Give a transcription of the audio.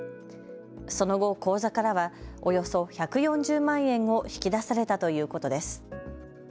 その後、口座からはおよそ１４０万円を引き出されたということです。